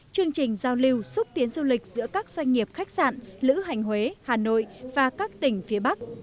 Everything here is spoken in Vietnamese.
chương trình giao lưu xúc tiến du lịch giữa các doanh nghiệp khách sạn lữ hành huế hà nội và các tỉnh phía bắc